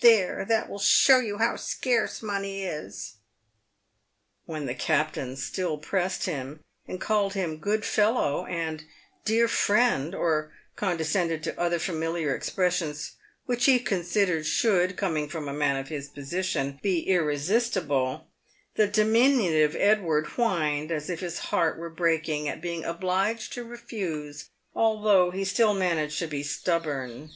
There, that will show you how scarce money is." When the captain still pressed him, and called him "good fellow," and " dear friend," or condescended to other familiar expressions which he considered should — coming from a man of his position — be irre sistible, the diminutive Edward whined as if his heart were breaking at being obliged to refuse, although he still managed to be stubborn.